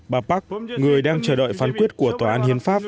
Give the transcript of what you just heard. bà park người đang chờ đợi phán quyết của tòa án hiến pháp